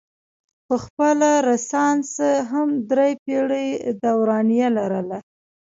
پخپله رنسانس هم درې پیړۍ دورانیه لرله.